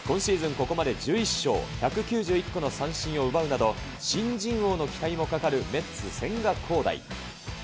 ここまで１１勝、１９１個の三振を奪うなど、新人王の期待もかかるメッツ、千賀滉大。